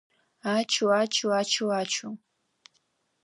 Ачу-ачу, ачу-ачу!